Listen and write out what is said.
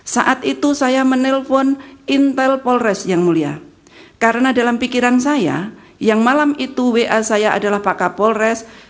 saat itu saya menelpon intel polres yang mulia karena dalam pikiran saya yang malam itu wa saya adalah pak kapolres